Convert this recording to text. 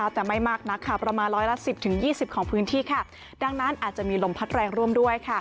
แต่ไม่มากนักค่ะประมาณร้อยละ๑๐๒๐ของพื้นที่ดังนั้นอาจจะมีลมพัดแรงร่วมด้วย